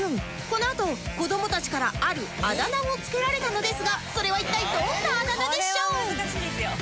このあと子どもたちからあるあだ名を付けられたのですがそれは一体どんなあだ名でしょう？